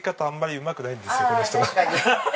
あんまりうまくないんですよ